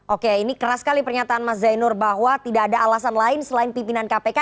oke ini keras sekali pernyataan mas zainur bahwa tidak ada alasan lain selain pimpinan kpk